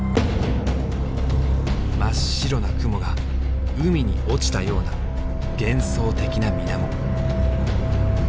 真っ白な雲が海に落ちたような幻想的な水面。